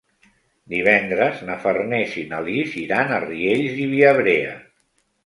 Divendres na Farners i na Lis iran a Riells i Viabrea.